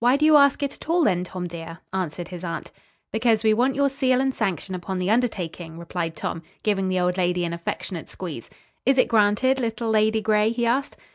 "Why do you ask it at all, then, Tom, dear?" answered his aunt. "Because we want your seal and sanction upon the undertaking," replied Tom, giving the old lady an affectionate squeeze. "Is it granted, little Lady Gray?" he asked.